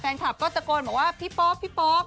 แฟนคลับก็ตะโกนบอกว่าพี่ป๊อปพี่โป๊อป